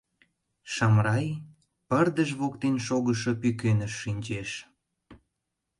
Шамрай пырдыж воктен шогышо пӱкеныш шинчеш.